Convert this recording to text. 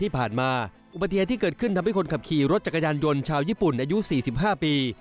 อุบัติเหตุที่เกิดขึ้นทำให้คนขับขี่รถจักรยานยนต์ชาวญี่ปุ่นอายุ๔๕ปี